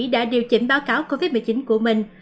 đã điều chỉnh báo cáo covid một mươi chín của mình